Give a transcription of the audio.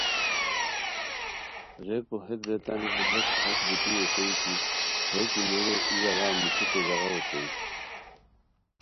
ریکو ہیت ریتانی کی ہیس ہݰ بیتی اوشوئے کی ہے کیمیریو ای ژاغا نیشیکو ژاغہ اوشوئے